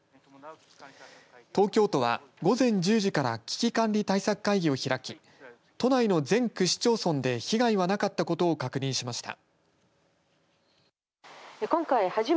東京都は午前１０時から危機管理対策会議を開き都内の全区市町村で被害はなかったことを確認しました。